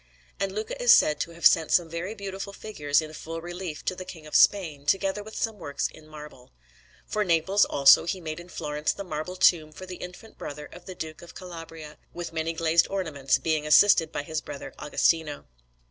And Luca is said to have sent some very beautiful figures in full relief to the King of Spain, together with some works in marble. For Naples, also, he made in Florence the marble tomb for the infant brother of the Duke of Calabria, with many glazed ornaments, being assisted by his brother Agostino.